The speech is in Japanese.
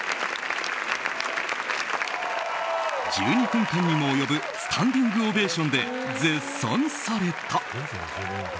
１２分間にも及ぶスタンディングオベーションで絶賛された。